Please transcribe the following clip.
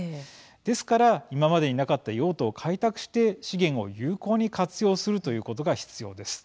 ですから、今までになかった用途を開拓して資源を有効に活用するということが必要です。